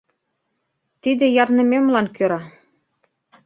— Тиде ярнымемлан кӧра…